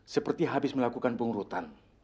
seperti habis melakukan pengurutan